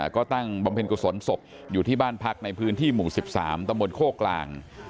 ก็ตั้งบำเพ็ญกุศลศพอยู่ที่บ้านพักในพื้นที่หมู่๑๓ตำบลโคกกลาง